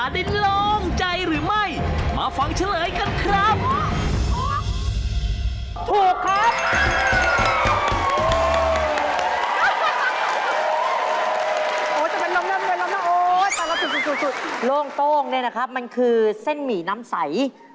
โล่งโต้งเนี่ยนะครับมันคือเส้นหมี่น้ำใส